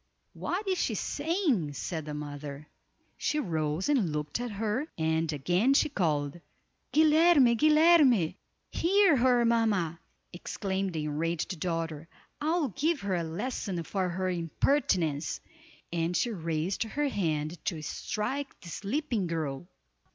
"What is she saying?" said the mother. She rose and looked at her, and again she called, "Guilerme! Guilerme!" "Hear her, mamma," exclaimed the enraged daughter, "I'll give her a lesson for her impertinence," and she raised her hand to strike the sleeping girl.